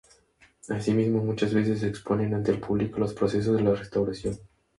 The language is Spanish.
Asimismo, muchas veces se exponen ante el público los procesos de la restauración.